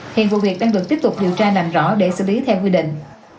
hiện vụ việc đang được tiếp tục điều tra làm rõ để xử lý theo quy định